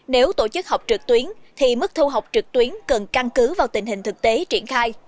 nếu tổ chức học trực tuyến thì mức thu học trực tuyến cần căn cứ vào tình hình thực tế triển khai